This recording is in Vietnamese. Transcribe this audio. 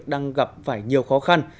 đang gặp phải nhiều khó khăn